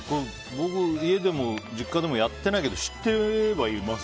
僕、家でも実家でもやってないけど知ってはいます。